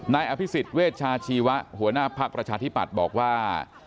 นายอภิษฎเวชาชีวะหัวหน้าภักดิ์ประชาธิปัตย์บอกว่า